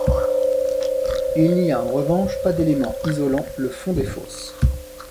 Il n'y a en revanche pas d'élément isolant le fond des fosses.